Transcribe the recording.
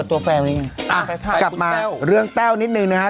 อ้ากลับมาเรื่องแต้วนิดนึงนะฮะ